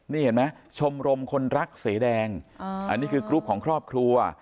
นี่เห็นไหมชมรมคนรักเสแดงอันนี้คือกรุ๊ปของครอบครัว